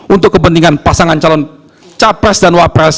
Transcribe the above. untuk kepentingan pasangan calon capres dan wapres